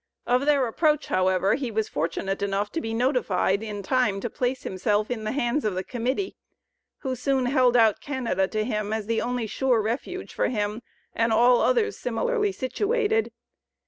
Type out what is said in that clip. Of their approach, however, he was fortunate enough to be notified in time to place himself in the hands of the Committee, who soon held out Canada to him, as the only sure refuge for him, and all others similarly situated.